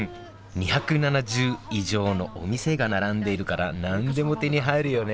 ２７０以上のお店が並んでいるから何でも手に入るよね